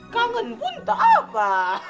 kangen pun tak apa